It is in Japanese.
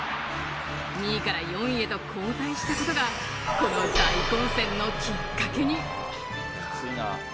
２位から４位へと後退したことがこの大混戦のきっかけに。